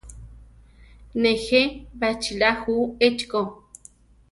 Nejé baʼchíla ju echi ko.